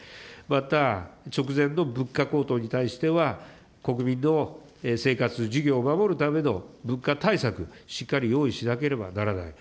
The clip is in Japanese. また直前の物価高騰に対しては、国民の生活、事業を守るための物価対策、しっかり用意しなければならない。